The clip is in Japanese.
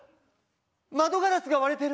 窓ガラスが割れてる！